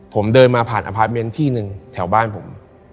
ผมเดินมาผ่านอพาร์ทเมนต์ที่หนึ่งแถวบ้านผม